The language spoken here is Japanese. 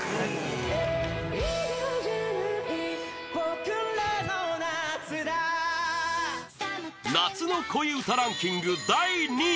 「映画じゃない僕らの夏だ」夏の恋うたランキング第２位